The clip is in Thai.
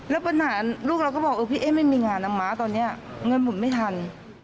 แล้วปัญหาลูกเราก็บอกเออพี่เอ๊ไม่มีงานนะม้าตอนนี้เงินหมุนไม่ทัน